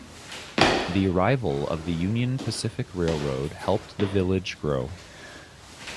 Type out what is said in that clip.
The arrival of the Union Pacific Railroad helped the village grow.